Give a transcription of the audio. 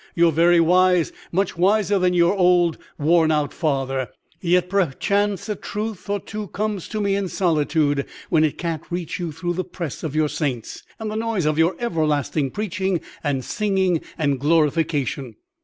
You are very wise, much wiser than your old worn out father; yet perchance a truth or two comes to me in solitude, when it can't reach you through the press of your saints, and the noise of your everlasting preaching and singing and glorification.